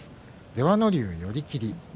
出羽ノ龍、寄り切り。